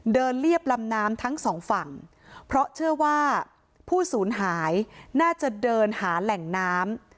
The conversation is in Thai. เรียบลำน้ำทั้งสองฝั่งเพราะเชื่อว่าผู้สูญหายน่าจะเดินหาแหล่งน้ำ